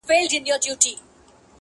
لیکلی وصیت!!!